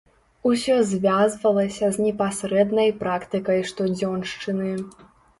Усё звязвалася з непасрэднай практыкай штодзёншчыны.